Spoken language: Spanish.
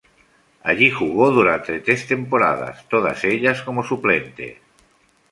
Allí jugó durante tres temporadas, todas ellas como suplente.